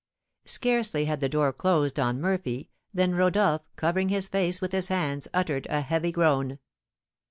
Scarcely had the door closed on Murphy, than Rodolph, covering his face with his hands, uttered a heavy groan.